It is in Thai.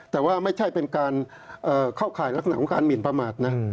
แต่ว่าไม่ใช่เป็นการเข้าข่ายลักษณะของการหมินประมาทนะ